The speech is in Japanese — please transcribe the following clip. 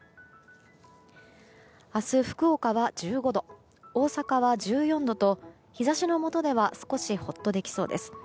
明日、福岡は１５度大阪は１４度と日差しの下では少しほっとできそうです。